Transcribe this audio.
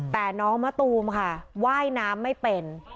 แต่น้องมะตูมค่ะว่ายน้ำไม่เป็น